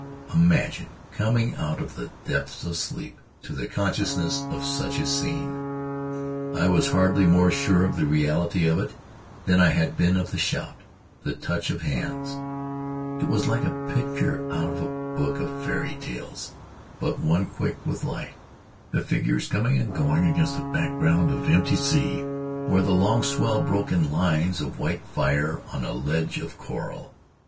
Imagine coming out of the depths of sleep to the consciousness of such a scene! I was hardly more sure of the reality of it than I had been of the shout, the touch of hands. It was like a picture out of a book of fairy tales, but one quick with life, the figures coming and going against a background of empty sea where the 11 [ 149 ] Faery Lands of the South Seas long swell broke in lines of white fire on a ledge of coral.